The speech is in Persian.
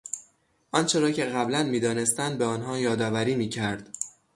آنچه را که قبلا میدانستند به آنها یادآوری میکرد.